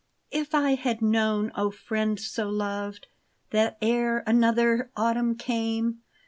F I had known, O friend so loved, That ere another autumn came.